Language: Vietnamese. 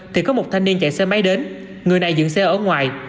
thì có một thanh niên chạy xe máy đến người này dựng xe ở ngoài